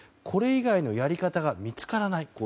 これ以外のやり方が見つからない。